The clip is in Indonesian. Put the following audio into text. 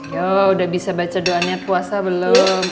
ya udah bisa baca doanya puasa belum